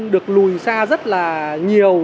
được lùi xa rất là nhiều